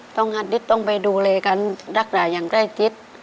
ต้องอาทิตย์ต้องไปดูเรชาติและรักษายประชานายเกิท